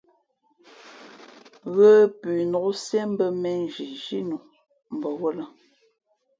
Ghə pʉnok siē mbᾱ mēnzhi zhínu bαwᾱlᾱ.